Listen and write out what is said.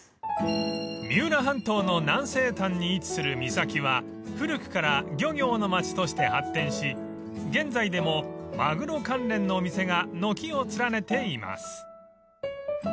［三浦半島の南西端に位置する三崎は古くから漁業の町として発展し現在でもマグロ関連のお店が軒を連ねています］